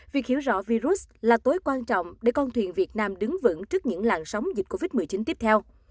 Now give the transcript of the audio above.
việc hiểu rõ virus là tối quan trọng để con thuyền việt nam đứng vững trước những làn sóng dịch covid một mươi chín tiếp theo